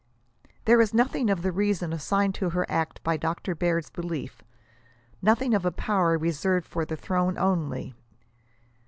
There is nothing 94 of the reason aBsigned to her act by Dr. Baird's belief, nothing of a power reserved for the throne only.